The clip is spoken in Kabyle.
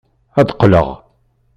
Ad qqleɣ.